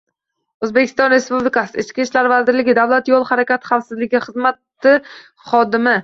O‘zbekiston Respublikasi Ichki ishlar vazirligi Davlat yo‘l harakati xavfsizligi xizmati xodimi